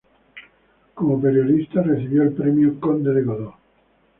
Como periodista recibió el premio Conde de Godó.